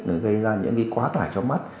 nó gây ra những cái quá tải trong mắt